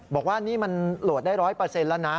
บอกว่านี่มันโหลดได้๑๐๐แล้วนะ